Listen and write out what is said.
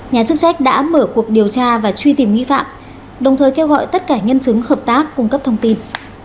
nhà chức trách đã mở cuộc điều tra và truy tìm nghi phạm đồng thời kêu gọi tất cả nhân chứng hợp tác cung cấp thông tin